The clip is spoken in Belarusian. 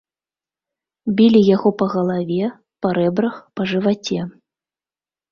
Білі яго па галаве, па рэбрах, па жываце.